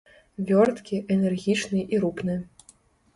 Вёрткі, энергічны і рупны.